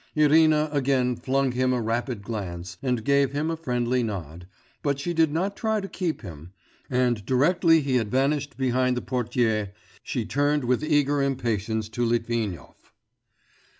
Irina again flung him a rapid glance, and gave him a friendly nod, but she did not try to keep him, and directly he had vanished behind the portière, she turned with eager impatience to Litvinov.